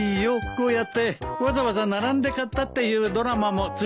こうやってわざわざ並んで買ったっていうドラマもついてるしね。